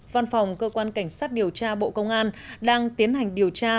văn phòng cơ quan cảnh sát điều tra bộ công an đang tiến hành điều tra